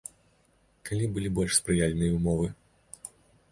Калі былі больш спрыяльныя ўмовы?